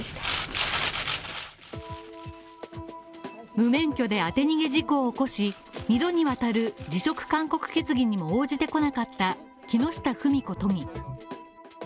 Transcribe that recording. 無免許で当て逃げ事故を起こし、２度にわたる辞職勧告決議に応じてこなかった木下富美子都議